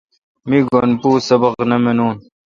می گن پو سبق نہ مانون۔